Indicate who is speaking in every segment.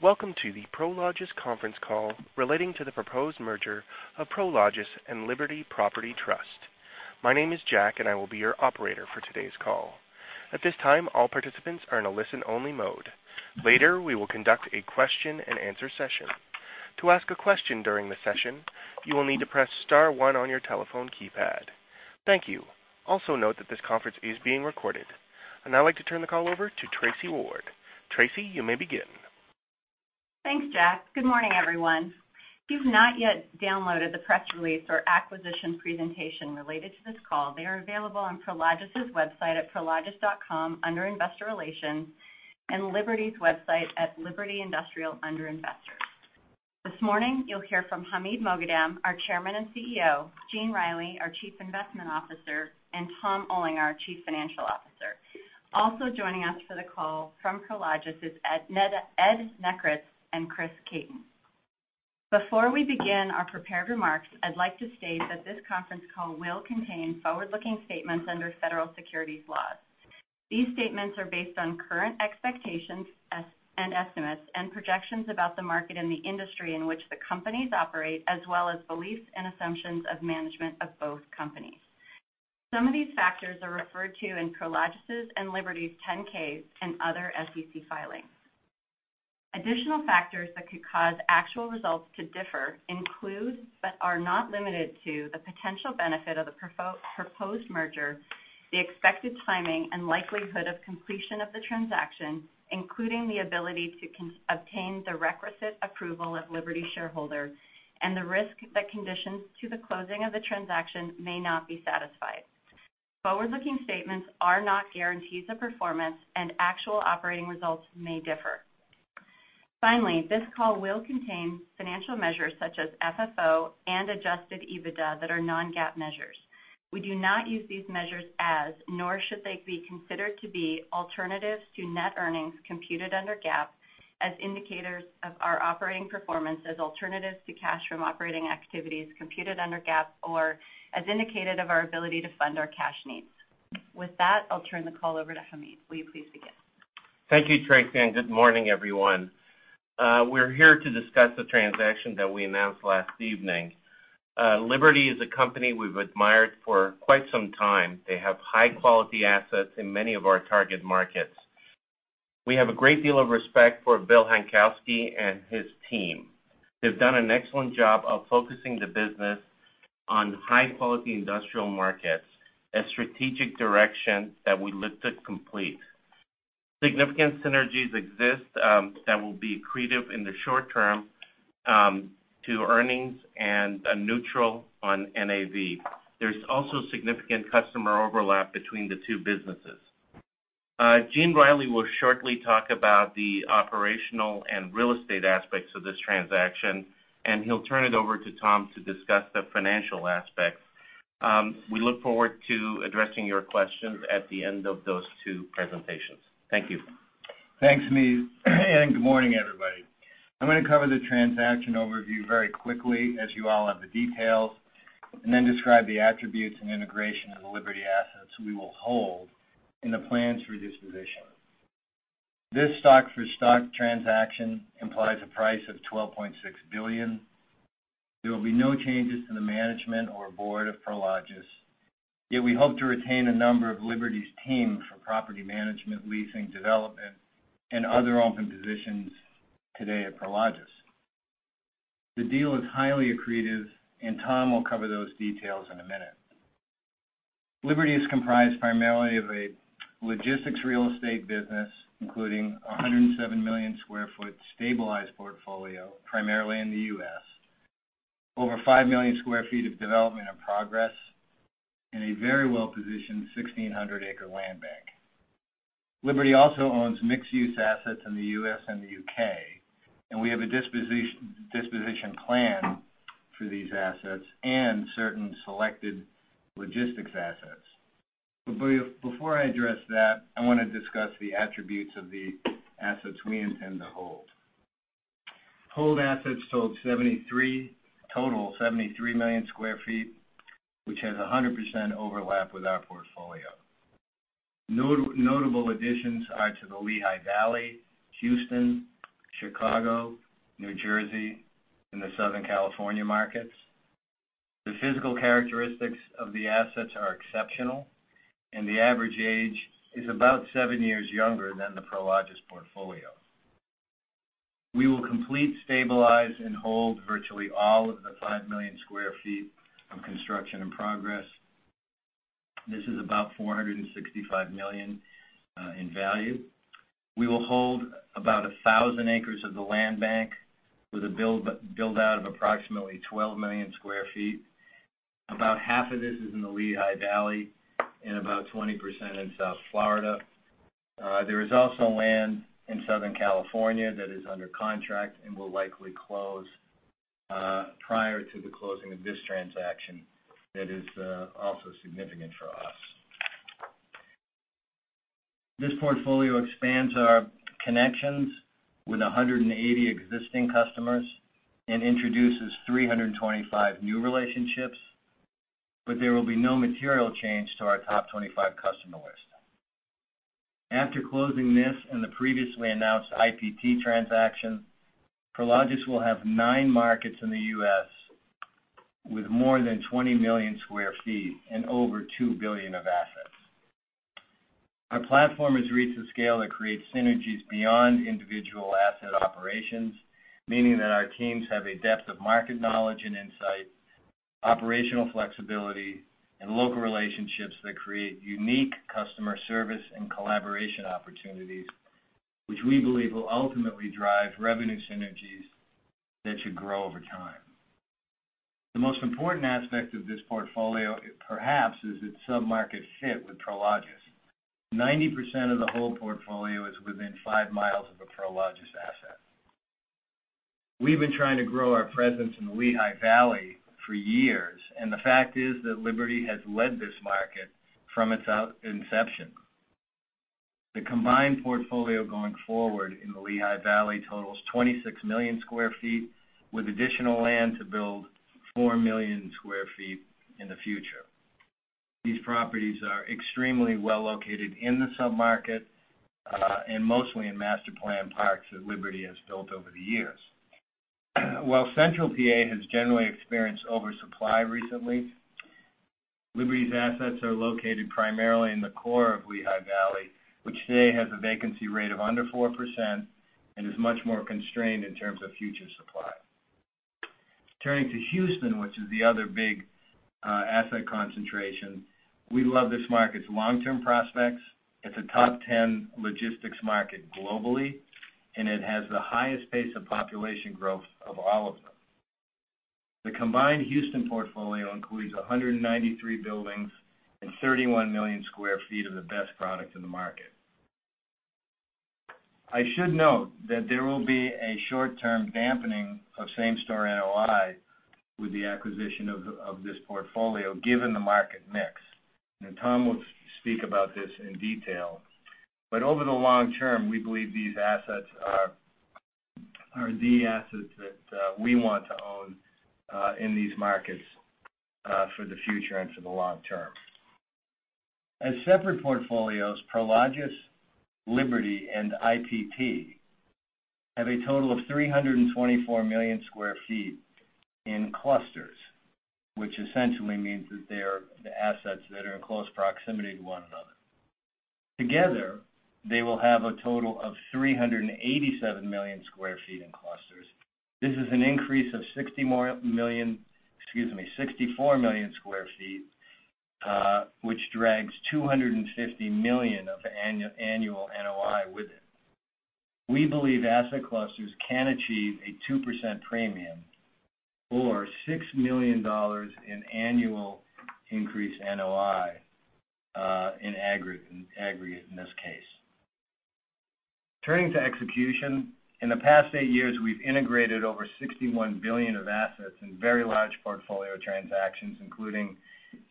Speaker 1: Welcome to the Prologis conference call relating to the proposed merger of Prologis and Liberty Property Trust. My name is Jack, and I will be your operator for today's call. At this time, all participants are in a listen-only mode. Later, we will conduct a question and answer session. To ask a question during the session, you will need to press star one on your telephone keypad. Thank you. Note that this conference is being recorded. I'd now like to turn the call over to Tracy Ward. Tracy, you may begin.
Speaker 2: Thanks, Jack. Good morning, everyone. If you've not yet downloaded the press release or acquisition presentation related to this call, they are available on Prologis' website at prologis.com under Investor Relations and Liberty's website at Liberty Property Trust under Investors. This morning, you'll hear from Hamid Moghadam, our Chairman and CEO, Gene Reilly, our Chief Investment Officer, and Tom Olinger, our Chief Financial Officer. Also joining us for the call from Prologis is Ed Nekritz and Chris Caton. Before we begin our prepared remarks, I'd like to state that this conference call will contain forward-looking statements under federal securities laws. These statements are based on current expectations, and estimates, and projections about the market and the industry in which the companies operate, as well as beliefs and assumptions of management of both companies. Some of these factors are referred to in Prologis' and Liberty's 10-Ks and other SEC filings. Additional factors that could cause actual results to differ include, but are not limited to, the potential benefit of the proposed merger, the expected timing and likelihood of completion of the transaction, including the ability to obtain the requisite approval of Liberty shareholders, and the risk that conditions to the closing of the transaction may not be satisfied. Forward-looking statements are not guarantees of performance, and actual operating results may differ. This call will contain financial measures such as FFO and adjusted EBITDA that are non-GAAP measures. We do not use these measures as, nor should they be considered to be alternatives to net earnings computed under GAAP as indicators of our operating performance as alternatives to cash from operating activities computed under GAAP or as indicated of our ability to fund our cash needs. With that, I'll turn the call over to Hamid. Will you please begin?
Speaker 3: Thank you, Tracy. Good morning, everyone. We're here to discuss the transaction that we announced last evening. Liberty is a company we've admired for quite some time. They have high-quality assets in many of our target markets. We have a great deal of respect for Bill Hankowsky and his team. They've done an excellent job of focusing the business on high-quality industrial markets, a strategic direction that we looked at complete. Significant synergies exist that will be accretive in the short term to earnings and are neutral on NAV. There's also significant customer overlap between the two businesses. Gene Reilly will shortly talk about the operational and real estate aspects of this transaction, and he'll turn it over to Tim to discuss the financial aspects. We look forward to addressing your questions at the end of those two presentations. Thank you.
Speaker 4: Thanks, Hamid. Good morning, everybody. I'm going to cover the transaction overview very quickly, as you all have the details, then describe the attributes and integration of the Liberty assets we will hold and the plans for disposition. This stock-for-stock transaction implies a price of $12.6 billion. There will be no changes to the management or board of Prologis, yet we hope to retain a number of Liberty's team for property management, leasing, development, and other open positions today at Prologis. The deal is highly accretive. Tim will cover those details in a minute. Liberty is comprised primarily of a logistics real estate business, including 107 million sq ft stabilized portfolio, primarily in the U.S., over 5 million sq ft of development and progress in a very well-positioned 1,600-acre land bank. Liberty also owns mixed-use assets in the U.S. and the U.K. We have a disposition plan for these assets and certain selected logistics assets. Before I address that, I want to discuss the attributes of the assets we intend to hold. Held assets total 73 million sq ft, which has 100% overlap with our portfolio. Notable additions are to the Lehigh Valley, Houston, Chicago, New Jersey, and the Southern California markets. The physical characteristics of the assets are exceptional. The average age is about seven years younger than the Prologis portfolio. We will complete, stabilize, and hold virtually all of the 5 million sq ft of construction in progress. This is about $465 million in value. We will hold about 1,000 acres of the land bank with a build-out of approximately 12 million sq ft. About half of this is in the Lehigh Valley and about 20% in South Florida. There is also land in Southern California that is under contract and will likely close prior to the closing of this transaction that is also significant for us. This portfolio expands our connections with 180 existing customers and introduces 325 new relationships. There will be no material change to our top 25 customer list. After closing this and the previously announced IPT transaction, Prologis will have nine markets in the U.S. with more than 20 million sq ft and over $2 billion of assets. Our platform has reached a scale that creates synergies beyond individual asset operations, meaning that our teams have a depth of market knowledge and insight, operational flexibility, and local relationships that create unique customer service and collaboration opportunities, which we believe will ultimately drive revenue synergies that should grow over time. The most important aspect of this portfolio, perhaps, is its submarket fit with Prologis. 90% of the whole portfolio is within five miles of a Prologis asset. We've been trying to grow our presence in the Lehigh Valley for years. The fact is that Liberty has led this market from its inception. The combined portfolio going forward in the Lehigh Valley totals 26 million sq ft, with additional land to build 4 million sq ft in the future. These properties are extremely well-located in the submarket, and mostly in master plan parks that Liberty has built over the years. While central P.A. has generally experienced oversupply recently, Liberty's assets are located primarily in the core of Lehigh Valley, which today has a vacancy rate of under 4% and is much more constrained in terms of future supply. Turning to Houston, which is the other big asset concentration. We love this market's long-term prospects. It's a top 10 logistics market globally, and it has the highest pace of population growth of all of them. The combined Houston portfolio includes 193 buildings and 31 million sq ft of the best product in the market. I should note that there will be a short-term dampening of same-store NOI with the acquisition of this portfolio, given the market mix. Tim will speak about this in detail. Over the long term, we believe these assets are the assets that we want to own in these markets for the future and for the long term. As separate portfolios, Prologis, Liberty, and IPT have a total of 324 million sq ft in clusters, which essentially means that they are the assets that are in close proximity to one another. Together, they will have a total of 387 million sq ft in clusters. This is an increase of 64 million sq ft, which drags $250 million of annual NOI with it. We believe asset clusters can achieve a 2% premium or $6 million in annual increased NOI in aggregate in this case. Turning to execution. In the past eight years, we've integrated over $61 billion of assets in very large portfolio transactions, including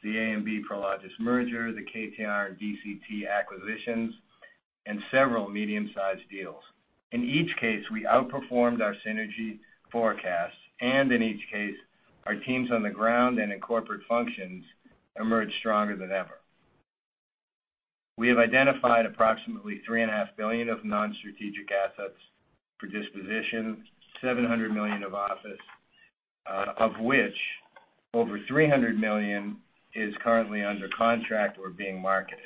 Speaker 4: the AMB Prologis merger, the KTR and DCT acquisitions, and several medium-sized deals. In each case, we outperformed our synergy forecasts. In each case, our teams on the ground and in corporate functions emerged stronger than ever. We have identified approximately $3.5 billion of non-strategic assets for disposition, $700 million of office, of which over $300 million is currently under contract or being marketed.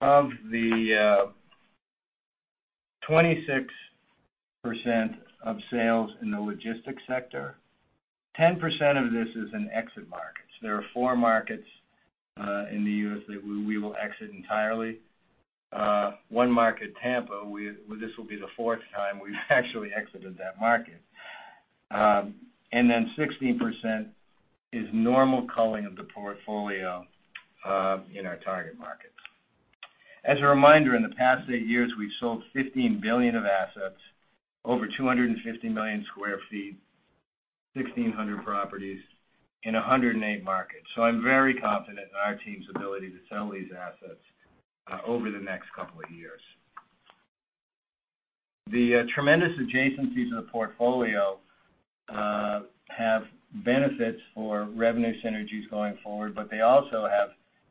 Speaker 4: Of the 26% of sales in the logistics sector, 10% of this is in exit markets. There are four markets in the U.S. that we will exit entirely. One market, Tampa, this will be the fourth time we've actually exited that market. 16% is normal culling of the portfolio in our target market. As a reminder, in the past eight years, we've sold $15 billion of assets, over 250 million sq ft, 1,600 properties in 108 markets. I'm very confident in our team's ability to sell these assets over the next couple of years. The tremendous adjacencies of the portfolio have benefits for revenue synergies going forward, but they also have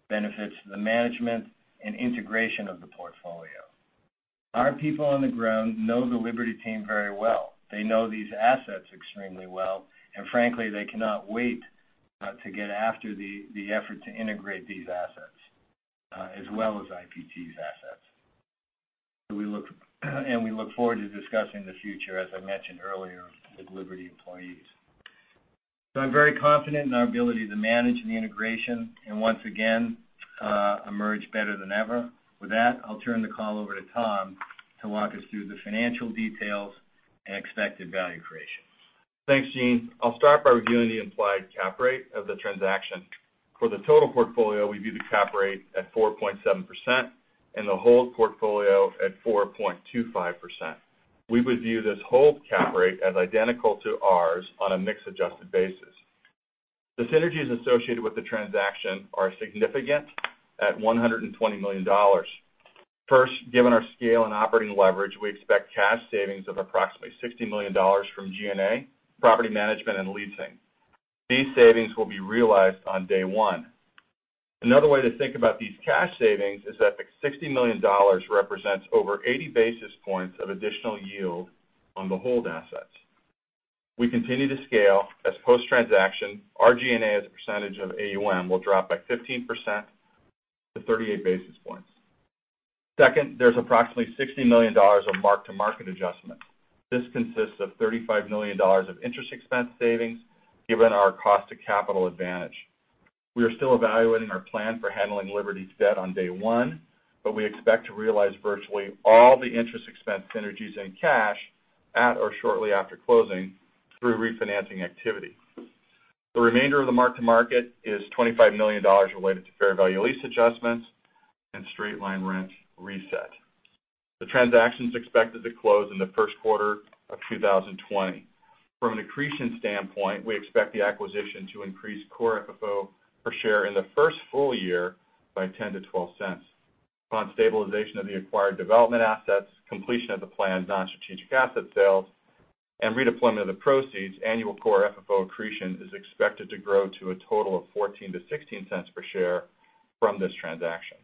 Speaker 4: benefits to the management and integration of the portfolio. Our people on the ground know the Liberty team very well. They know these assets extremely well, and frankly, they cannot wait to get after the effort to integrate these assets, as well as IPT's assets. We look forward to discussing the future, as I mentioned earlier, with Liberty employees. I'm very confident in our ability to manage the integration, and once again, emerge better than ever. With that, I'll turn the call over to Tim to walk us through the financial details and expected value creation.
Speaker 5: Thanks, Gene. I'll start by reviewing the implied cap rate of the transaction. For the total portfolio, we view the cap rate at 4.7% and the hold portfolio at 4.25%. We would view this hold cap rate as identical to ours on a mix-adjusted basis. The synergies associated with the transaction are significant at $120 million. First, given our scale and operating leverage, we expect cash savings of approximately $60 million from G&A, property management, and leasing. These savings will be realized on day one. Another way to think about these cash savings is that the $60 million represents over 80 basis points of additional yield on the hold assets. We continue to scale as post-transaction, our G&A as a percentage of AUM will drop by 15% to 38 basis points. Second, there's approximately $60 million of mark-to-market adjustment. This consists of $35 million of interest expense savings, given our cost to capital advantage. We are still evaluating our plan for handling Liberty's debt on day one, but we expect to realize virtually all the interest expense synergies in cash at, or shortly after closing through refinancing activity. The remainder of the mark-to-market is $25 million related to fair value lease adjustments and straight-line rent reset. The transaction's expected to close in the first quarter of 2020. From an accretion standpoint, we expect the acquisition to increase core FFO per share in the first full year by $0.10 to $0.12. Upon stabilization of the acquired development assets, completion of the planned non-strategic asset sales, and redeployment of the proceeds, annual core FFO accretion is expected to grow to a total of $0.14 to $0.16 per share from this transaction.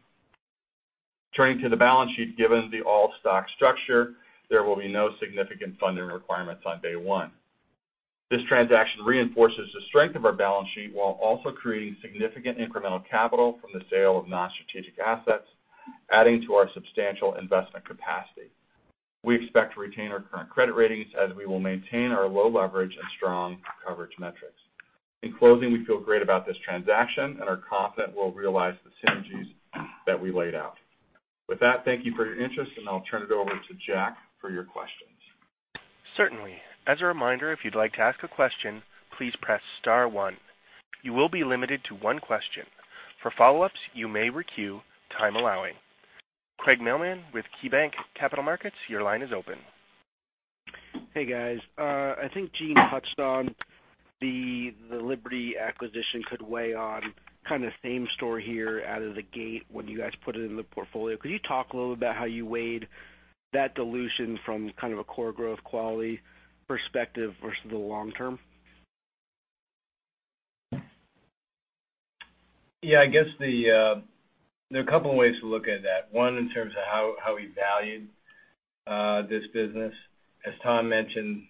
Speaker 5: Turning to the balance sheet, given the all-stock structure, there will be no significant funding requirements on day one. This transaction reinforces the strength of our balance sheet while also creating significant incremental capital from the sale of non-strategic assets, adding to our substantial investment capacity. We expect to retain our current credit ratings as we will maintain our low leverage and strong coverage metrics. In closing, we feel great about this transaction, and are confident we'll realize the synergies that we laid out. With that, thank you for your interest, and I'll turn it over to Jack for your questions.
Speaker 1: Certainly. As a reminder, if you'd like to ask a question, please press star one. You will be limited to one question. For follow-ups, you may queue, time allowing. Craig Mailman with KeyBanc Capital Markets, your line is open.
Speaker 6: Hey, guys. I think Gene touched on the Liberty acquisition could weigh on kind of same store here out of the gate when you guys put it in the portfolio. Could you talk a little about how you weighed that dilution from kind of a core growth quality perspective versus the long term?
Speaker 3: Yeah, I guess there are a couple of ways to look at that. One, in terms of how we valued this business. As Tom mentioned,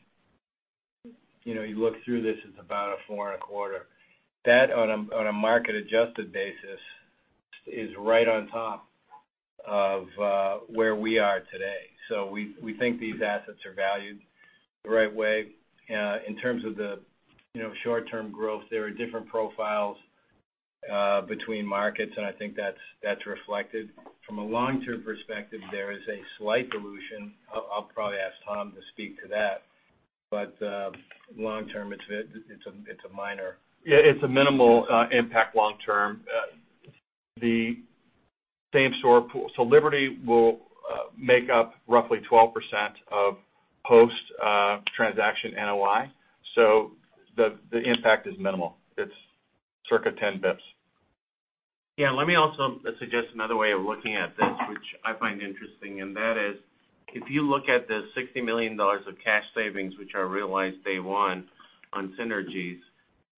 Speaker 3: you look through this, it's about a four and a quarter. That, on a market-adjusted basis, is right on top of where we are today. We think these assets are valued the right way. In terms of the short-term growth, there are different profiles between markets, and I think that's reflected. From a long-term perspective, there is a slight dilution. I'll probably ask Tom to speak to that.
Speaker 5: Yeah, it's a minimal impact long term. The same store pool. Liberty will make up roughly 12% of post-transaction NOI. The impact is minimal. It's circa 10 basis points.
Speaker 3: Yeah, let me also suggest another way of looking at this, which I find interesting. That is, if you look at the $60 million of cash savings, which are realized day one on synergies,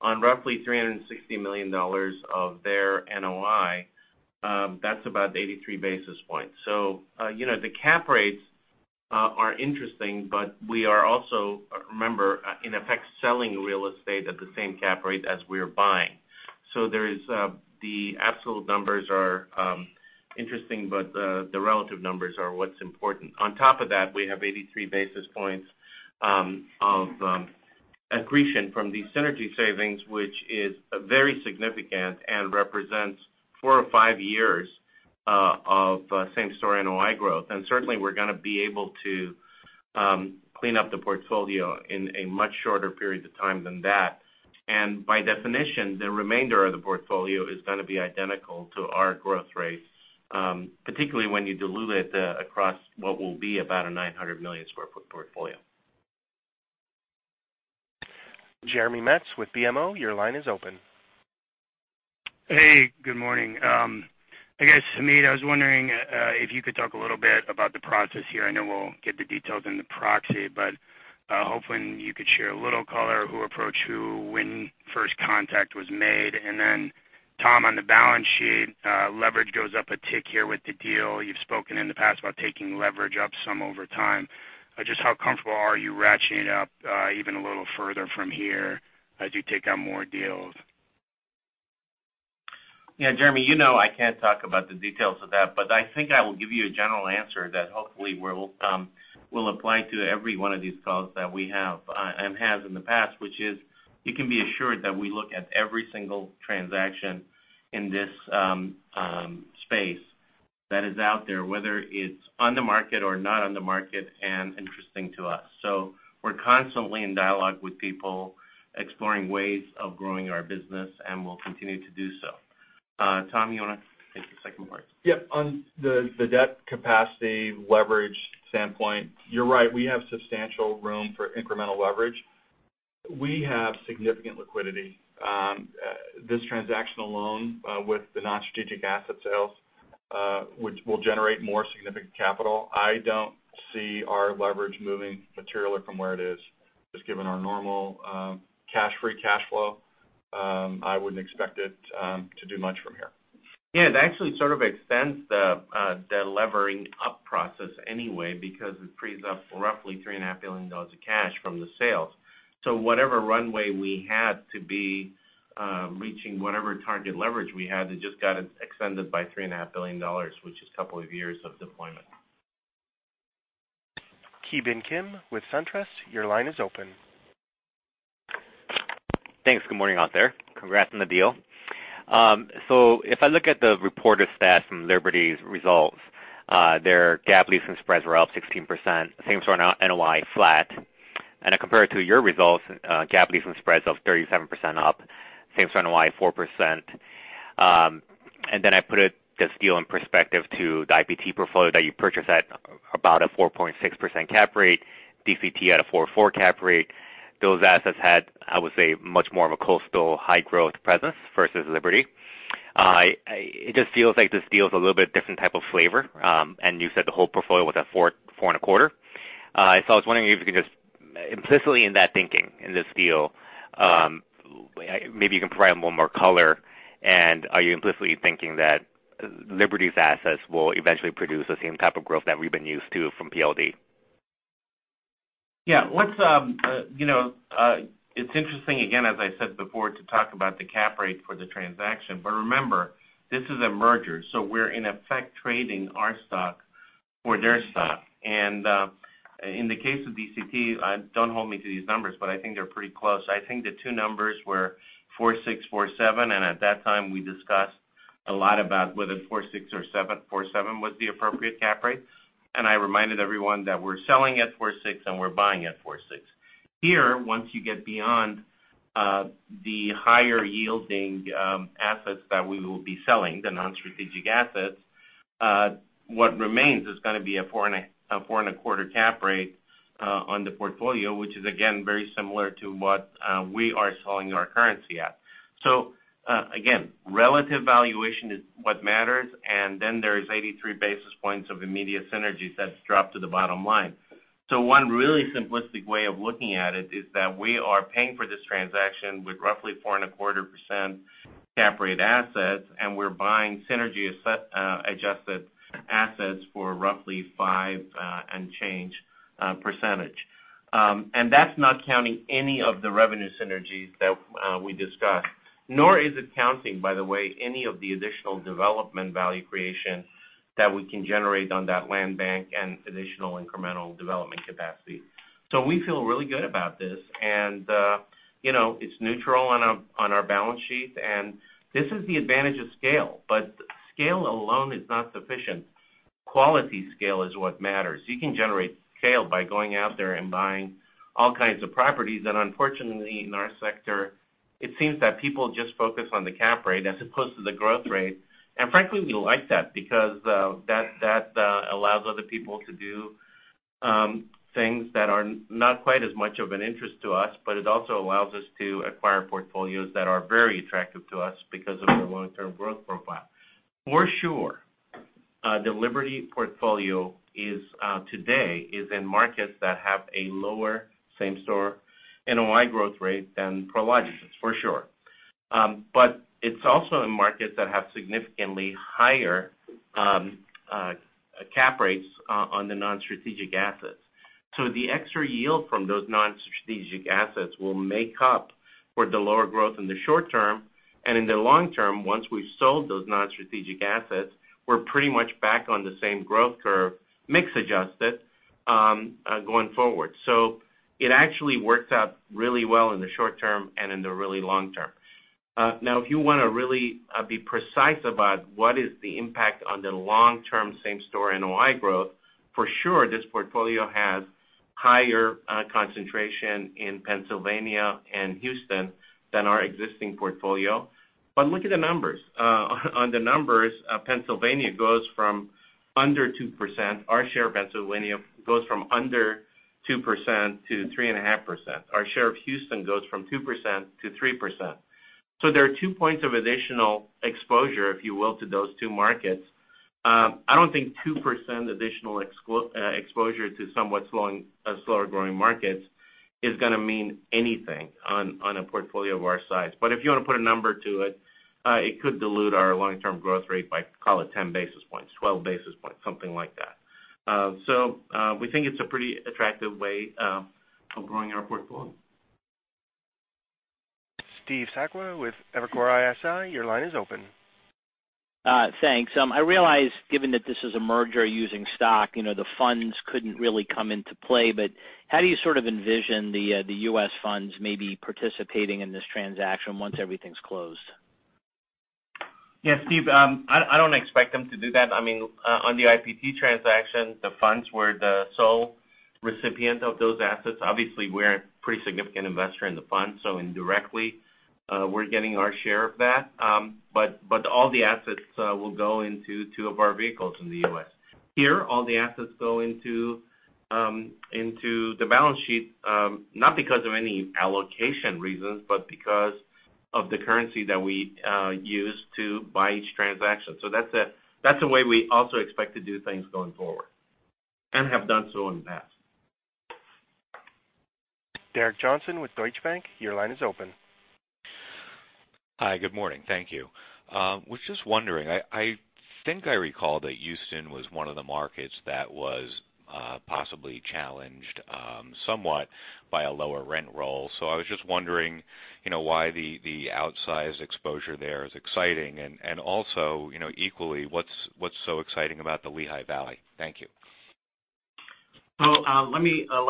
Speaker 3: on roughly $360 million of their NOI, that's about 83 basis points. The cap rates are interesting, but we are also, remember, in effect, selling real estate at the same cap rate as we're buying. The absolute numbers are interesting, but the relative numbers are what's important. On top of that, we have 83 basis points of accretion from these synergy savings, which is very significant and represents four or five years of same-store NOI growth. Certainly, we're going to be able to clean up the portfolio in a much shorter period of time than that. By definition, the remainder of the portfolio is going to be identical to our growth rates, particularly when you dilute it across what will be about a 900-million-square-foot portfolio.
Speaker 1: Jeremy Metz with BMO, your line is open.
Speaker 7: Hey, good morning. I guess, Hamid, I was wondering if you could talk a little bit about the process here. I know we'll get the details in the proxy. Hopefully you could share a little color, who approached who, when first contact was made. Tim, on the balance sheet, leverage goes up a tick here with the deal. You've spoken in the past about taking leverage up some over time. Just how comfortable are you ratcheting it up even a little further from here as you take on more deals?
Speaker 3: Jeremy, you know I can't talk about the details of that. I think I will give you a general answer that hopefully will apply to every one of these calls that we have and has in the past, which is, you can be assured that we look at every single transaction in this space that is out there, whether it's on the market or not on the market and interesting to us. We're constantly in dialogue with people, exploring ways of growing our business, and we'll continue to do so. Tim, you want to take the second part?
Speaker 5: Yep. On the debt capacity leverage standpoint, you're right, we have substantial room for incremental leverage. We have significant liquidity. This transaction alone, with the non-strategic asset sales, will generate more significant capital. I don't see our leverage moving materially from where it is, just given our normal cash free cash flow. I wouldn't expect it to do much from here.
Speaker 3: Yeah. It actually sort of extends the levering up process anyway, because it frees up roughly $3.5 billion of cash from the sales. Whatever runway we had to be reaching, whatever target leverage we had, it just got extended by $3.5 billion, which is a couple of years of deployment.
Speaker 1: Ki Bin Kim with SunTrust, your line is open.
Speaker 8: Thanks. Good morning out there. Congrats on the deal. If I look at the reported stats from Liberty's results, their cap lease and spreads were up 16%, same store NOI flat. I compare it to your results, cap lease and spreads of 37% up, same store NOI 4%. I put this deal in perspective to the IPT portfolio that you purchased at about a 4.6% cap rate, DCT at a 4.4% cap rate. Those assets had, I would say, much more of a coastal high-growth presence versus Liberty. It just feels like this deal is a little bit different type of flavor. You said the whole portfolio was at 4%, 4.25%. I was wondering if you could just implicitly in that thinking, in this deal, maybe you can provide a little more color, and are you implicitly thinking that Liberty's assets will eventually produce the same type of growth that we've been used to from PLD?
Speaker 3: It's interesting, again, as I said before, to talk about the cap rate for the transaction, but remember, this is a merger, so we're in effect trading our stock for their stock. In the case of DCT, don't hold me to these numbers, but I think they're pretty close. I think the two numbers were 4.6, 4.7, and at that time we discussed a lot about whether 4.6 or 4.7 was the appropriate cap rate. I reminded everyone that we're selling at 4.6 and we're buying at 4.6. Here, once you get beyond the higher-yielding assets that we will be selling, the non-strategic assets, what remains is going to be a 4.25 cap rate on the portfolio, which is again, very similar to what we are selling our currency at. Again, relative valuation is what matters, and then there is 83 basis points of immediate synergies that drop to the bottom line. One really simplistic way of looking at it is that we are paying for this transaction with roughly 4.25% cap rate assets, and we're buying synergy-adjusted assets for roughly five and change percentage. That's not counting any of the revenue synergies that we discussed, nor is it counting, by the way, any of the additional development value creation that we can generate on that land bank and additional incremental development capacity. We feel really good about this. It's neutral on our balance sheet. This is the advantage of scale, but scale alone is not sufficient. Quality scale is what matters. You can generate scale by going out there and buying all kinds of properties, unfortunately, in our sector, it seems that people just focus on the cap rate as opposed to the growth rate. Frankly, we like that because that allows other people to do things that are not quite as much of an interest to us, but it also allows us to acquire portfolios that are very attractive to us because of their long-term growth profile. For sure, the Liberty portfolio today is in markets that have a lower same-store NOI growth rate than Prologis, for sure. It's also in markets that have significantly higher cap rates on the non-strategic assets. The extra yield from those non-strategic assets will make up for the lower growth in the short term. In the long term, once we've sold those non-strategic assets, we're pretty much back on the same growth curve, mix-adjusted, going forward. It actually works out really well in the short term and in the really long term. If you want to really be precise about what is the impact on the long-term same-store NOI growth, for sure, this portfolio has higher concentration in Pennsylvania and Houston than our existing portfolio. Look at the numbers. On the numbers, our share of Pennsylvania goes from under 2% to 3.5%. Our share of Houston goes from 2% to 3%. There are two points of additional exposure, if you will, to those two markets. I don't think 2% additional exposure to somewhat slower-growing markets is going to mean anything on a portfolio of our size. If you want to put a number to it could dilute our long-term growth rate by, call it, 10 basis points, 12 basis points, something like that. We think it's a pretty attractive way of growing our portfolio.
Speaker 1: Steve Sakwa with Evercore ISI, your line is open.
Speaker 9: Thanks. I realize given that this is a merger using stock, the funds couldn't really come into play. How do you sort of envision the U.S. funds maybe participating in this transaction once everything's closed?
Speaker 3: Yeah, Steve, I don't expect them to do that. On the IPT transaction, the funds were the sole recipient of those assets. Obviously, we're a pretty significant investor in the fund, so indirectly, we're getting our share of that. All the assets will go into two of our vehicles in the U.S. Here, all the assets go into the balance sheet, not because of any allocation reasons, but because of the currency that we use to buy each transaction. That's the way we also expect to do things going forward, and have done so in the past.
Speaker 1: Derek Johnston with Deutsche Bank, your line is open.
Speaker 10: Hi, good morning. Thank you. Was just wondering, I think I recall that Houston was one of the markets that was possibly challenged somewhat by a lower rent roll. I was just wondering why the outsized exposure there is exciting, and also, equally, what's so exciting about the Lehigh Valley? Thank you.
Speaker 3: Let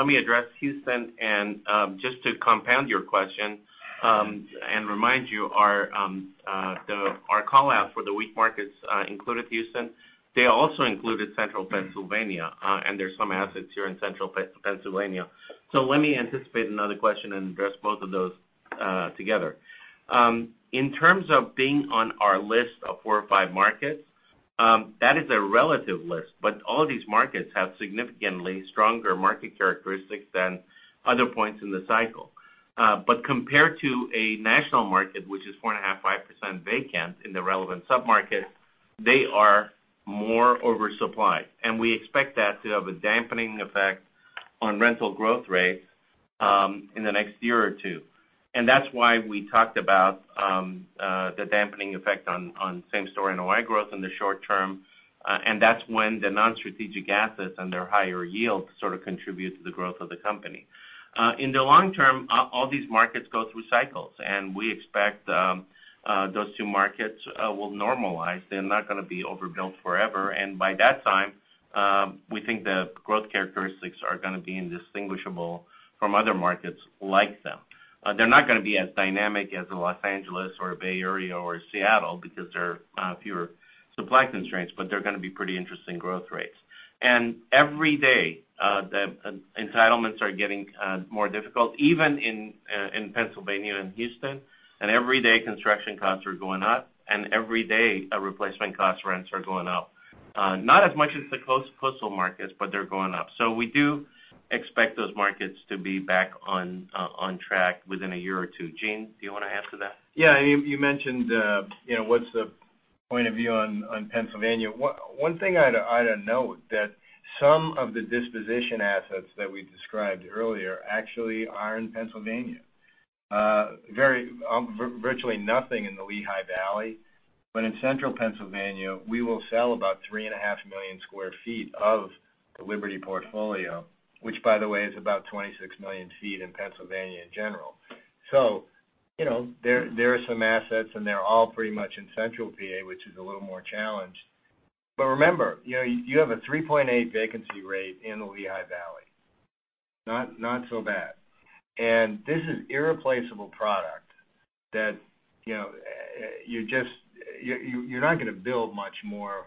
Speaker 3: me address Houston, and just to compound your question, and remind you, our call out for the weak markets included Houston. They also included Central Pennsylvania, and there's some assets here in Central Pennsylvania. Let me anticipate another question and address both of those together. In terms of being on our list of four or five markets, that is a relative list, but all these markets have significantly stronger market characteristics than other points in the cycle. Compared to a national market, which is 4.5%, 5% vacant in the relevant sub-market, they are more oversupplied. We expect that to have a dampening effect on rental growth rates in the next year or two. That's why we talked about the dampening effect on same-store NOI growth in the short term, and that's when the non-strategic assets and their higher yields sort of contribute to the growth of the company. In the long term, all these markets go through cycles, and we expect those two markets will normalize. They're not going to be overbuilt forever. By that time, we think the growth characteristics are going to be indistinguishable from other markets like them. They're not going to be as dynamic as a Los Angeles or a Bay Area or a Seattle because there are fewer supply constraints, but they're going to be pretty interesting growth rates. Every day, the entitlements are getting more difficult, even in Pennsylvania and Houston. Every day, construction costs are going up. Every day, our replacement cost rents are going up. Not as much as the close coastal markets, but they're going up. We do expect those markets to be back on track within a year or two. Gene, do you want to add to that?
Speaker 4: Yeah. You mentioned what's the point of view on Pennsylvania. One thing I'd note that some of the disposition assets that we described earlier actually are in Pennsylvania. Virtually nothing in the Lehigh Valley, but in Central Pennsylvania, we will sell about three and a half million square feet of the Liberty portfolio, which by the way, is about 26 million feet in Pennsylvania in general. There are some assets, and they're all pretty much in Central P.A., which is a little more challenged. Remember, you have a 3.8 vacancy rate in the Lehigh Valley. Not so bad. This is irreplaceable product that you're not going to build much more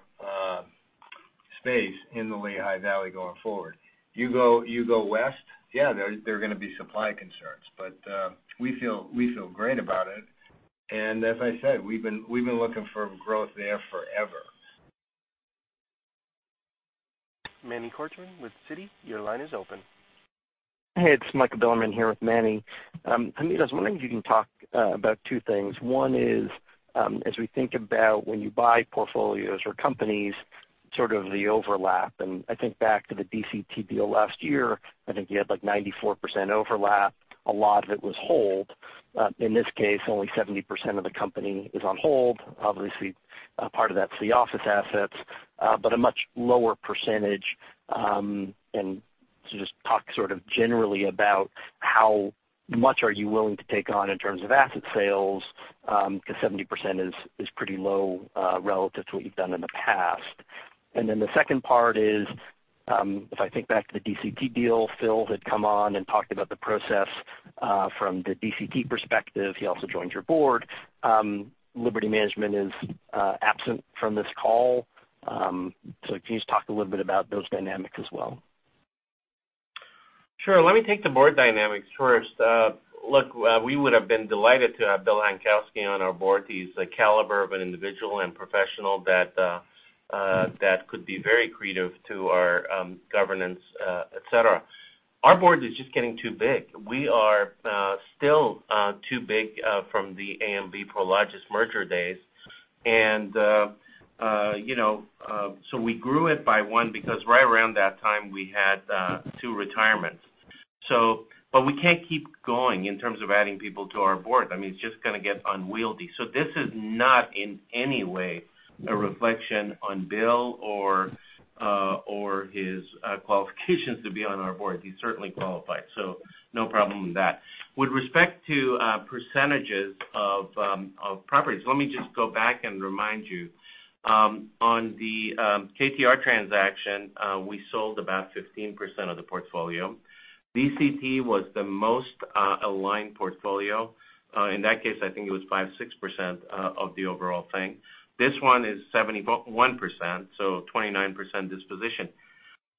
Speaker 4: space in the Lehigh Valley going forward. You go west, yeah, there are going to be supply concerns. We feel great about it. As I said, we've been looking for growth there forever.
Speaker 1: Manny Korchman with Citi, your line is open.
Speaker 11: Hey, it's Michael Bilerman here with Manny. Hamid, I was wondering if you can talk about two things. One is, as we think about when you buy portfolios or companies, sort of the overlap. I think back to the DCT deal last year, I think you had 94% overlap, a lot of it was hold. In this case, only 70% of the company is on hold. Obviously, part of that's the office assets, but a much lower percentage. Just talk sort of generally about how much are you willing to take on in terms of asset sales, because 70% is pretty low relative to what you've done in the past. The second part is, if I think back to the DCT deal, Phil had come on and talked about the process from the DCT perspective. He also joined your board. Liberty Management is absent from this call. Can you just talk a little bit about those dynamics as well?
Speaker 3: Sure. Let me take the board dynamics first. Look, we would have been delighted to have Bill Hankowsky on our board. He's a caliber of an individual and professional that could be very accretive to our governance, et cetera. Our board is just getting too big. We are still too big from the AMB Prologis merger days. We grew it by one because right around that time, we had two retirements. We can't keep going in terms of adding people to our board. It's just going to get unwieldy. This is not in any way a reflection on Bill or his qualifications to be on our board. He's certainly qualified. No problem with that. With respect to percentages of properties, let me just go back and remind you, on the KTR transaction, we sold about 15% of the portfolio. DCT was the most aligned portfolio. In that case, I think it was 5%, 6% of the overall thing. This one is 71%, so 29% disposition.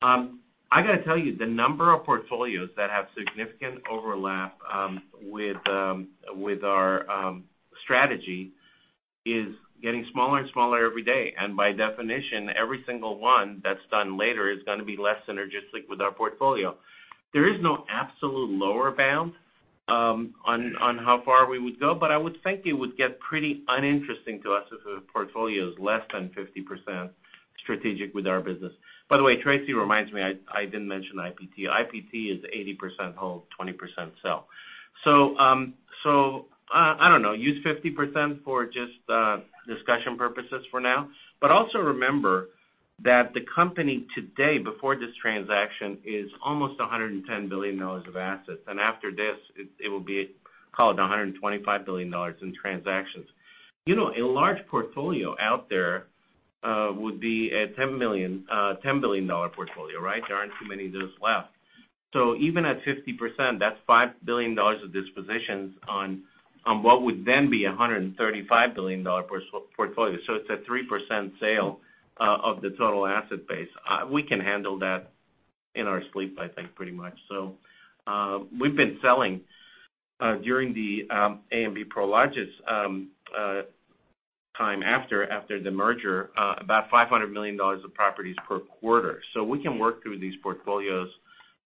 Speaker 3: I got to tell you, the number of portfolios that have significant overlap with our strategy is getting smaller and smaller every day. By definition, every single one that's done later is going to be less synergistic with our portfolio. There is no absolute lower bound on how far we would go, but I would think it would get pretty uninteresting to us if a portfolio is less than 50% strategic with our business. By the way, Tracy reminds me, I didn't mention IPT. IPT is 80% hold, 20% sell. I don't know, use 50% for just discussion purposes for now. Also remember that the company today, before this transaction, is almost $110 billion of assets. After this, it will be called $125 billion in transactions. A large portfolio out there would be a $10 billion portfolio, right? There aren't too many of those left. Even at 50%, that's $5 billion of dispositions on what would then be $135 billion portfolio. It's a 3% sale of the total asset base. We can handle that in our sleep, I think, pretty much. We've been selling during the AMB Prologis time after the merger, about $500 million of properties per quarter. We can work through these portfolios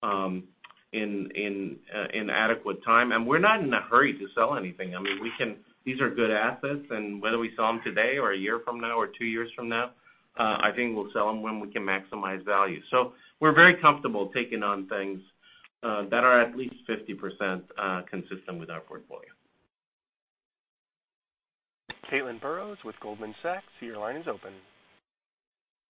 Speaker 3: in adequate time. We're not in a hurry to sell anything. These are good assets, and whether we sell them today or a year from now, or two years from now, I think we'll sell them when we can maximize value. We're very comfortable taking on things that are at least 50% consistent with our portfolio.
Speaker 1: Caitlin Burrows with Goldman Sachs, your line is open.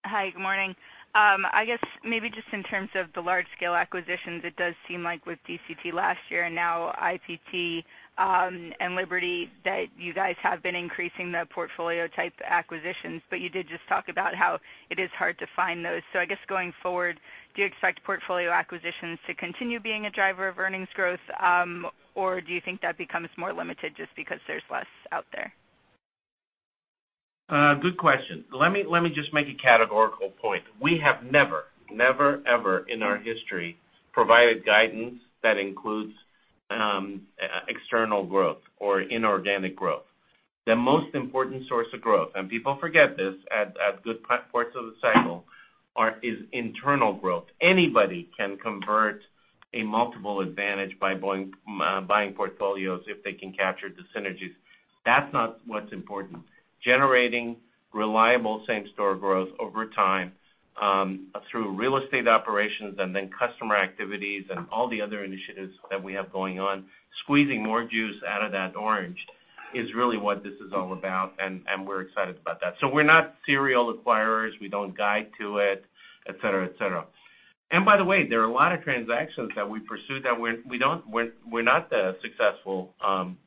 Speaker 12: Hi. Good morning. I guess maybe just in terms of the large-scale acquisitions, it does seem like with DCT last year and now IPT and Liberty, that you guys have been increasing the portfolio-type acquisitions, but you did just talk about how it is hard to find those. I guess going forward, do you expect portfolio acquisitions to continue being a driver of earnings growth? Do you think that becomes more limited just because there's less out there?
Speaker 3: Good question. Let me just make a categorical point. We have never, ever in our history provided guidance that includes external growth or inorganic growth. The most important source of growth, and people forget this at good parts of the cycle, is internal growth. Anybody can convert a multiple advantage by buying portfolios if they can capture synergies. That's not what's important. Generating reliable same-store growth over time through real estate operations and then customer activities and all the other initiatives that we have going on, squeezing more juice out of that orange is really what this is all about, and we're excited about that. We're not serial acquirers. We don't guide to it, et cetera. By the way, there are a lot of transactions that we pursue that we're not the successful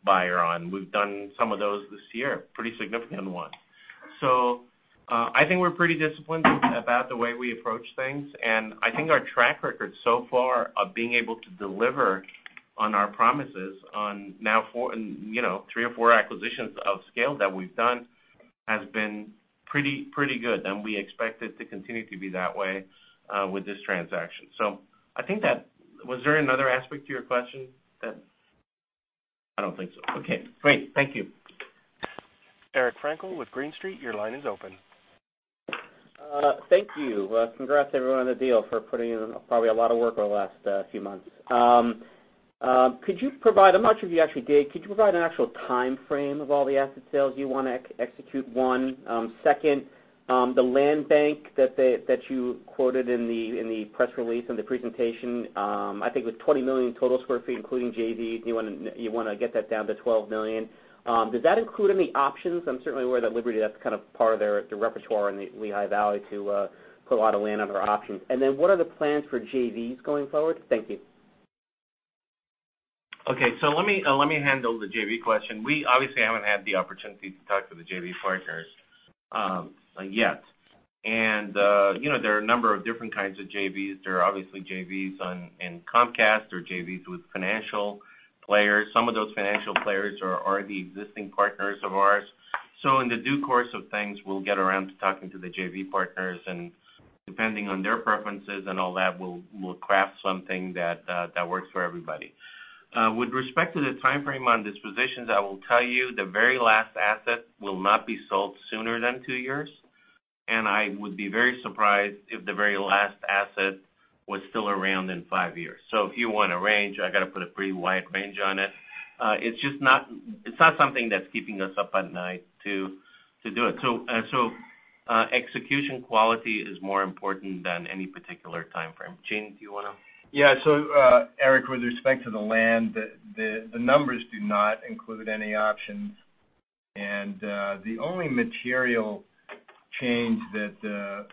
Speaker 3: buyer on. We've done some of those this year, pretty significant ones. I think we're pretty disciplined about the way we approach things, and I think our track record so far of being able to deliver on our promises on now three or four acquisitions of scale that we've done, has been pretty good, and we expect it to continue to be that way with this transaction. Was there another aspect to your question? I don't think so. Okay, great. Thank you.
Speaker 1: Eric Frankel with Green Street, your line is open.
Speaker 13: Thank you. Congrats, everyone, on the deal for putting in probably a lot of work over the last few months. I'm not sure if you actually did. Could you provide an actual timeframe of all the asset sales you want to execute, one? Second, the land bank that you quoted in the press release and the presentation, I think with 20 million total square feet, including JVs, you want to get that down to 12 million. Does that include any options? I'm certainly aware that Liberty, that's kind of part of their repertoire in the Lehigh Valley to put a lot of land under options. What are the plans for JVs going forward? Thank you.
Speaker 3: Okay. Let me handle the JV question. We obviously haven't had the opportunity to talk to the JV partners yet. There are a number of different kinds of JVs. There are obviously JVs in Comcast. There are JVs with financial players. Some of those financial players are the existing partners of ours. In the due course of things, we'll get around to talking to the JV partners, and depending on their preferences and all that, we'll craft something that works for everybody. With respect to the timeframe on dispositions, I will tell you, the very last asset will not be sold sooner than two years, and I would be very surprised if the very last asset was still around in five years. If you want a range, I got to put a pretty wide range on it. It's not something that's keeping us up at night to do it. Execution quality is more important than any particular timeframe. Gene, do you want to?
Speaker 4: Yeah. Eric, with respect to the land, the numbers do not include any options. The only material change that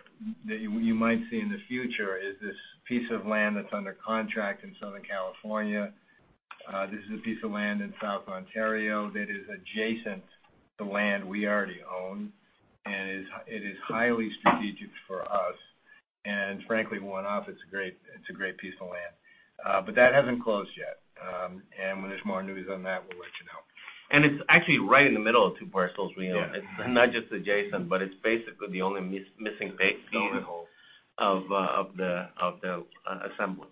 Speaker 4: you might see in the future is this piece of land that's under contract in Southern California. This is a piece of land in Southern Ontario that is adjacent to land we already own, and it is highly strategic for us. Frankly, one-off, it's a great piece of land. That hasn't closed yet. When there's more news on that, we'll let you know.
Speaker 3: It's actually right in the middle of two parcels we own.
Speaker 4: Yeah. It's not just adjacent, but it's basically the only missing piece. The only hole.
Speaker 3: of the assemblage.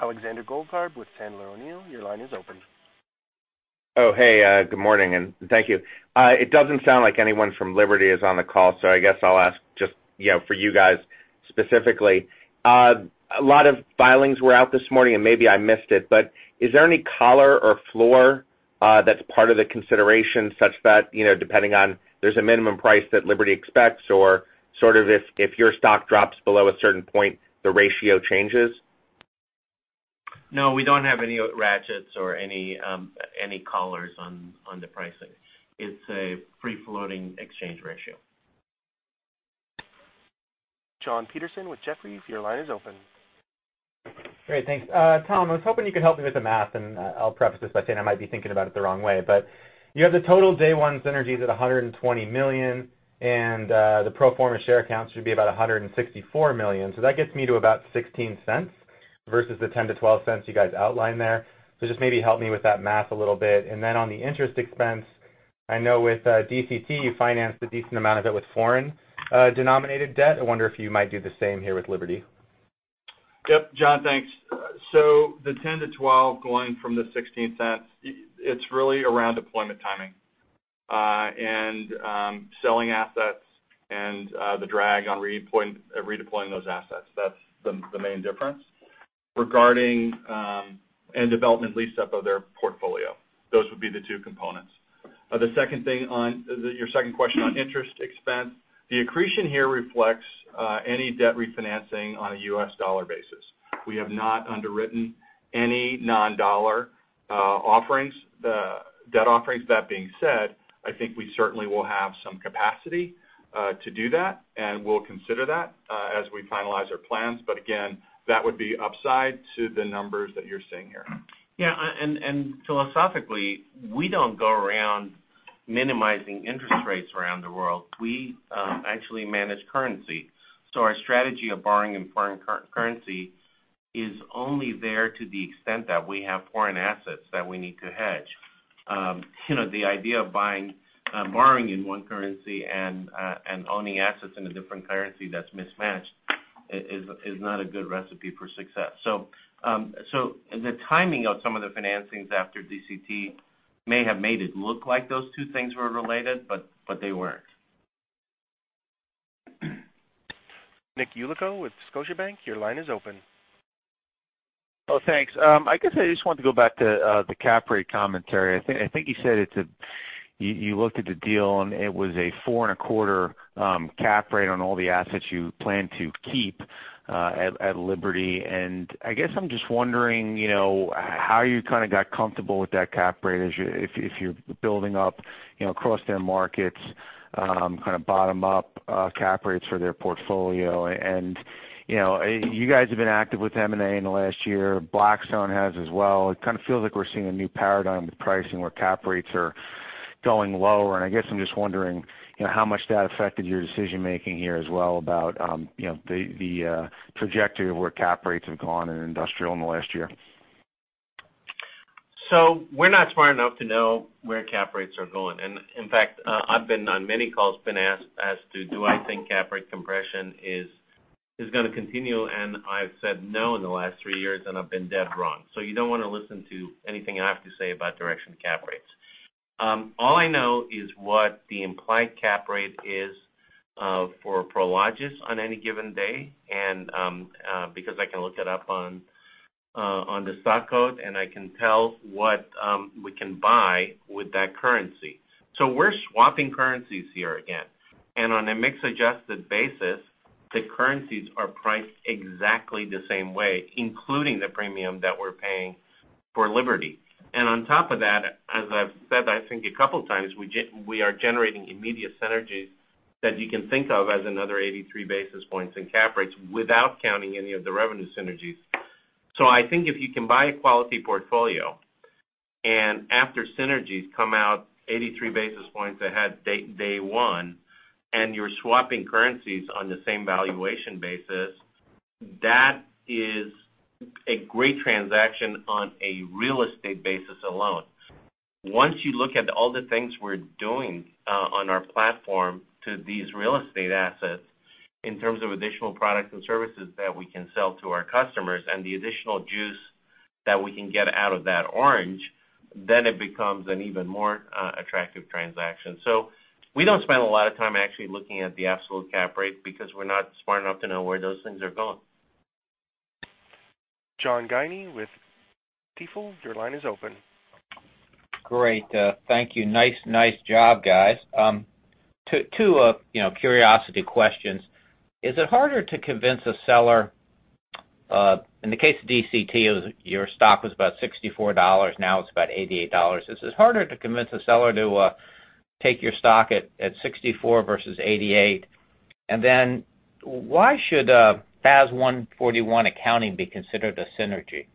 Speaker 1: Alexander Goldfarb with Sandler O'Neill, your line is open.
Speaker 14: Oh, hey, good morning. Thank you. It doesn't sound like anyone from Liberty is on the call. I guess I'll ask just for you guys specifically. A lot of filings were out this morning. Maybe I missed it, is there any collar or floor that's part of the consideration such that, depending on there's a minimum price that Liberty expects or sort of if your stock drops below a certain point, the ratio changes?
Speaker 3: No, we don't have any ratchets or any collars on the pricing. It's a free-floating exchange ratio.
Speaker 1: Jonathan Petersen with Jefferies, your line is open.
Speaker 15: Great, thanks. Tim, I was hoping you could help me with the math, and I'll preface this by saying I might be thinking about it the wrong way, but you have the total day one synergies at $120 million, and the pro forma share count should be about 164 million. That gets me to about $0.16 versus the $0.10-$0.12 you guys outlined there. Just maybe help me with that math a little bit. And then on the interest expense, I know with DCT, you financed a decent amount of it with foreign-denominated debt. I wonder if you might do the same here with Liberty?
Speaker 5: Yep. John, thanks. The 10-12 going from the $0.16, it's really around deployment timing, and selling assets and the drag on redeploying those assets. That's the main difference. Regarding end development lease up of their portfolio, those would be the two components. The second thing on your second question on interest expense, the accretion here reflects any debt refinancing on a U.S. dollar basis. We have not underwritten any non-dollar offerings, the debt offerings. I think we certainly will have some capacity to do that, and we'll consider that, as we finalize our plans. Again, that would be upside to the numbers that you're seeing here.
Speaker 3: Yeah, philosophically, we don't go around minimizing interest rates around the world. We actually manage currency. Our strategy of borrowing in foreign currency is only there to the extent that we have foreign assets that we need to hedge. The idea of borrowing in one currency and owning assets in a different currency that's mismatched is not a good recipe for success. The timing of some of the financings after DCT may have made it look like those two things were related, but they weren't.
Speaker 1: Nicholas Yulico with Scotiabank, your line is open.
Speaker 16: Oh, thanks. I guess I just wanted to go back to the cap rate commentary. I think you said you looked at the deal, and it was a four and a quarter cap rate on all the assets you plan to keep at Liberty. I guess I'm just wondering how you kind of got comfortable with that cap rate as if you're building up across their markets, kind of bottom-up cap rates for their portfolio. You guys have been active with M&A in the last year. Blackstone has as well. It kind of feels like we're seeing a new paradigm with pricing where cap rates are going lower, and I guess I'm just wondering how much that affected your decision-making here as well about the trajectory of where cap rates have gone in industrial in the last year.
Speaker 3: We're not smart enough to know where cap rates are going. In fact, I've been on many calls, been asked as to, do I think cap rate compression is going to continue? I've said no in the last three years, and I've been dead wrong. You don't want to listen to anything I have to say about direction cap rates. All I know is what the implied cap rate is for Prologis on any given day. Because I can look it up on the stock code, and I can tell what we can buy with that currency. We're swapping currencies here again. On a mixed-adjusted basis, the currencies are priced exactly the same way, including the premium that we're paying for Liberty. On top of that, as I've said, I think a couple of times, we are generating immediate synergies that you can think of as another 83 basis points in cap rates without counting any of the revenue synergies. I think if you can buy a quality portfolio, and after synergies come out 83 basis points ahead day one, and you're swapping currencies on the same valuation basis, that is a great transaction on a real estate basis alone. Once you look at all the things we're doing on our platform to these real estate assets in terms of additional products and services that we can sell to our customers and the additional juice that we can get out of that orange, then it becomes an even more attractive transaction. We don't spend a lot of time actually looking at the absolute cap rate because we're not smart enough to know where those things are going.
Speaker 1: John Guiney with T. Rowe, your line is open.
Speaker 17: Great. Thank you. Nice job, guys. Two curiosity questions. In the case of DCT, your stock was about $64, now it is about $88. Is it harder to convince a seller to take your stock at 64 versus 88? Why should FAS 141 accounting be considered a synergy?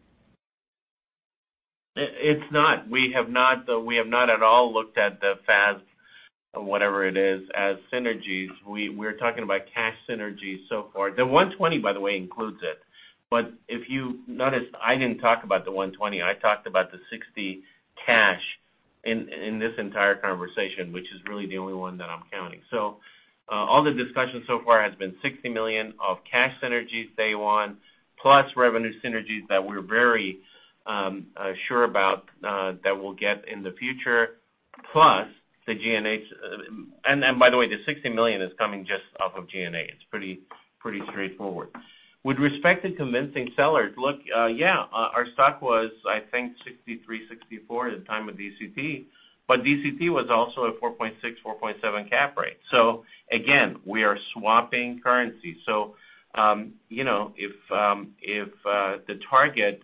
Speaker 3: It's not. We have not at all looked at the FAS, or whatever it is, as synergies. We're talking about cash synergies so far. The $120, by the way, includes it. If you noticed, I didn't talk about the $120. I talked about the $60 cash in this entire conversation, which is really the only one that I'm counting. All the discussion so far has been $60 million of cash synergies day one, plus revenue synergies that we're very sure about, that we'll get in the future, plus the G&A. By the way, the $60 million is coming just off of G&A. It's pretty straightforward. With respect to convincing sellers, look, yeah, our stock was, I think $63, $64 at the time of DCT. DCT was also a 4.6, 4.7 cap rate. Again, we are swapping currency. If the target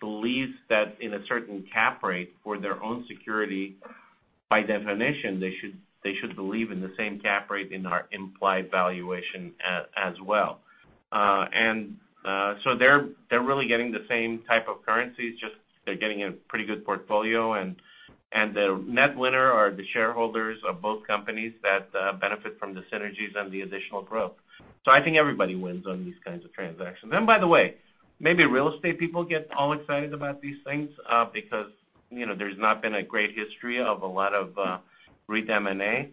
Speaker 3: believes that in a certain cap rate for their own security, by definition, they should believe in the same cap rate in our implied valuation as well. They're really getting the same type of currencies, just they're getting a pretty good portfolio and the net winner are the shareholders of both companies that benefit from the synergies and the additional growth. I think everybody wins on these kinds of transactions. By the way, maybe real estate people get all excited about these things, because there's not been a great history of a lot of REIT M&A.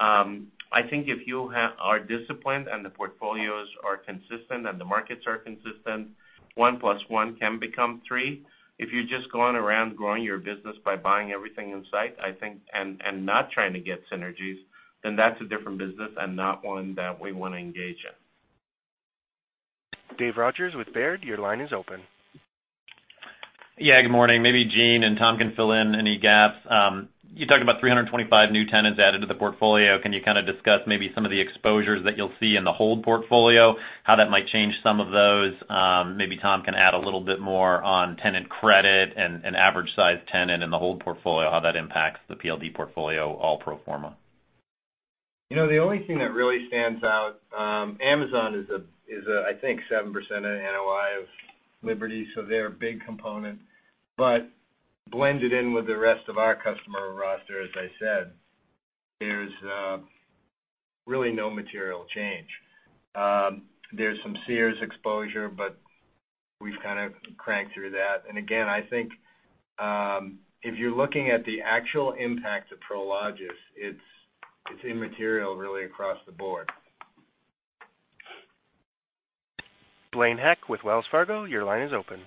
Speaker 3: I think if you are disciplined and the portfolios are consistent and the markets are consistent, one plus one can become three. If you're just going around growing your business by buying everything in sight, I think, and not trying to get synergies, that's a different business and not one that we want to engage in.
Speaker 1: Dave Rogers with Baird, your line is open.
Speaker 18: Good morning. Maybe Gene and Tim can fill in any gaps. You talked about 325 new tenants added to the portfolio. Can you kind of discuss maybe some of the exposures that you'll see in the hold portfolio, how that might change some of those? Maybe Tim can add a little bit more on tenant credit and average size tenant in the hold portfolio, how that impacts the PLD portfolio, all pro forma.
Speaker 3: The only thing that really stands out, Amazon is, I think, 7% of the NOI of Liberty, so they're a big component. Blended in with the rest of our customer roster, as I said, there's really no material change. There's some Sears exposure, but we've kind of cranked through that. Again, I think, if you're looking at the actual impact of Prologis, it's immaterial really across the board.
Speaker 1: Blaine Heck with Wells Fargo, your line is open.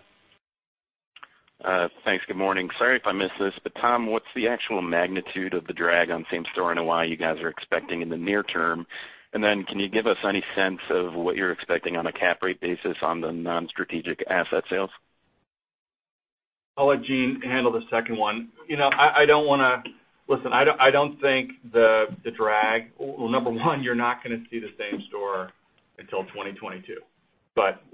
Speaker 19: Thanks. Good morning. Sorry if I missed this, but Tim, what's the actual magnitude of the drag on same-store NOI you guys are expecting in the near term? Can you give us any sense of what you're expecting on a cap rate basis on the non-strategic asset sales?
Speaker 5: I'll let Gene handle the second one. Listen, I don't think the drag Well, number one, you're not going to see the same store until 2022.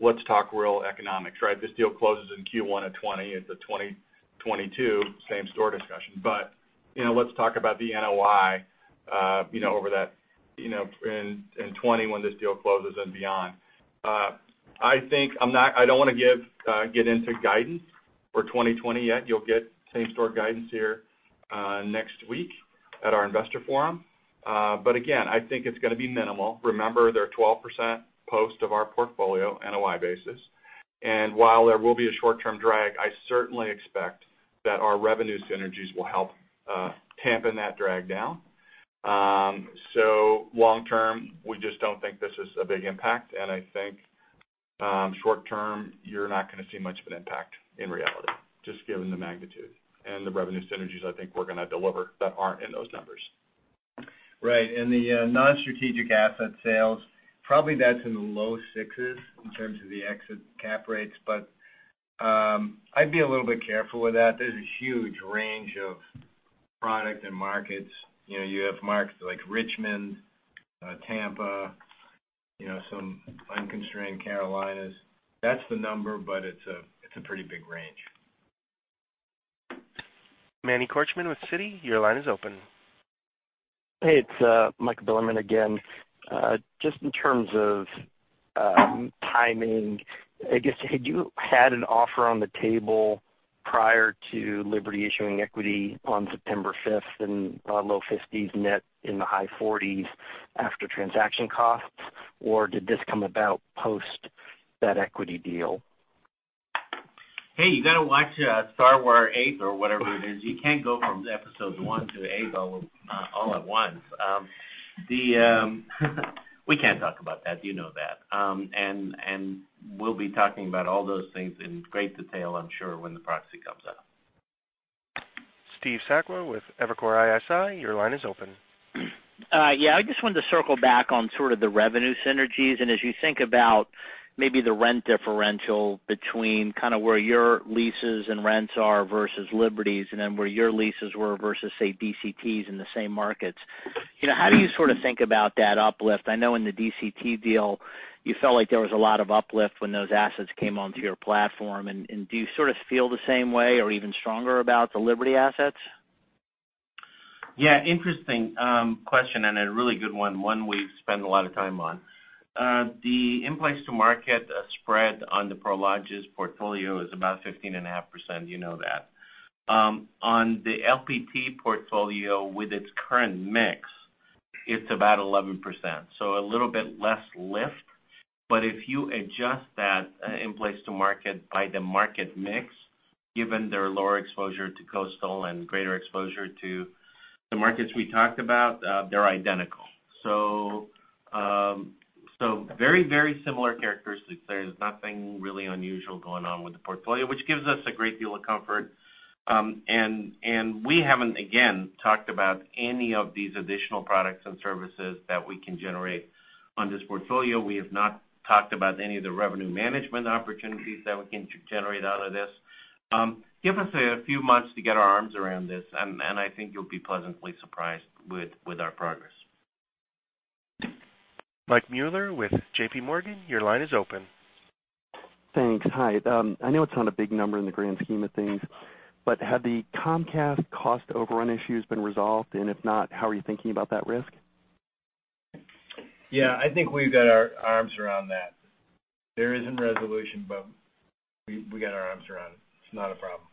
Speaker 5: Let's talk real economics, right? This deal closes in Q1 of 2020. It's a 2022 same-store discussion. Let's talk about the NOI, in 2020 when this deal closes and beyond. I don't want to get into guidance for 2020 yet. You'll get same-store guidance here next week at our investor forum. Again, I think it's going to be minimal. Remember, they're 12% post of our portfolio, NOI basis. While there will be a short-term drag, I certainly expect that our revenue synergies will help tampen that drag down. Long-term, we just don't think this is a big impact, and I think short-term, you're not going to see much of an impact in reality, just given the magnitude and the revenue synergies I think we're going to deliver that aren't in those numbers.
Speaker 3: Right. The non-strategic asset sales, probably that's in the low 6s in terms of the exit cap rates. I'd be a little bit careful with that. There's a huge range of product and markets. You have markets like Richmond, Tampa, some unconstrained Carolinas. That's the number, but it's a pretty big range.
Speaker 1: Manny Korchmann with Citi, your line is open.
Speaker 11: Hey, it's Mike Bilerman again. Just in terms of timing, I guess, had you had an offer on the table prior to Liberty issuing equity on September 5th and low $50s net in the high $40s after transaction costs? Or did this come about post that equity deal?
Speaker 3: Hey, you got to watch Star Wars VIII or whatever it is. You can't go from episodes I to VIII all at once. We can't talk about that, you know that. We'll be talking about all those things in great detail, I'm sure, when the proxy comes out.
Speaker 1: Steve Sakwa with Evercore ISI, your line is open.
Speaker 9: Yeah. I just wanted to circle back on sort of the revenue synergies, and as you think about maybe the rent differential between kind of where your leases and rents are versus Liberty's, and then where your leases were versus, say, DCT's in the same markets. How do you sort of think about that uplift? I know in the DCT deal, you felt like there was a lot of uplift when those assets came onto your platform. Do you sort of feel the same way or even stronger about the Liberty assets?
Speaker 3: Yeah. Interesting question and a really good one we've spent a lot of time on. The in-place to market spread on the Prologis portfolio is about 15.5%. You know that. On the LPT portfolio with its current mix, it's about 11%, a little bit less lift. If you adjust that in-place to market by the market mix, given their lower exposure to coastal and greater exposure to the markets we talked about, they're identical, very similar characteristics. There's nothing really unusual going on with the portfolio, which gives us a great deal of comfort. We haven't, again, talked about any of these additional products and services that we can generate on this portfolio. We have not talked about any of the revenue management opportunities that we can generate out of this. Give us a few months to get our arms around this, and I think you'll be pleasantly surprised with our progress.
Speaker 1: Michael Mueller with JP Morgan, your line is open.
Speaker 20: Thanks. Hi. I know it's not a big number in the grand scheme of things, have the Comcast cost overrun issues been resolved? If not, how are you thinking about that risk?
Speaker 21: Yeah, I think we've got our arms around that. There isn't resolution, but we got our arms around it. It's not a problem.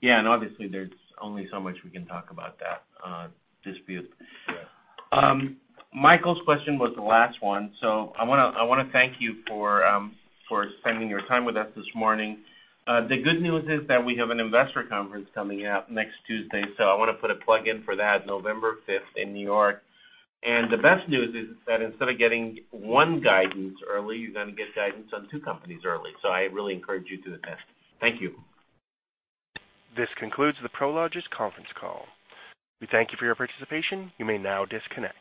Speaker 3: Yeah. Obviously, there's only so much we can talk about that dispute.
Speaker 21: Sure.
Speaker 3: Michael's question was the last one. I want to thank you for spending your time with us this morning. The good news is that we have an investor conference coming up next Tuesday, so I want to put a plug in for that, November 5th in New York. The best news is that instead of getting one guidance early, you're going to get guidance on two companies early. I really encourage you to attend. Thank you.
Speaker 1: This concludes the Prologis conference call. We thank you for your participation. You may now disconnect.